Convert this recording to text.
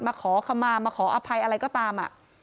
ขอคำมามาขออภัยอะไรก็ตาม